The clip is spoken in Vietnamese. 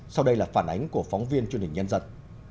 sau đây là phản ánh của phóng viên truyền hình nhân dân